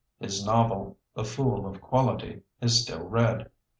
His novel, The Fool of Quality, is still read.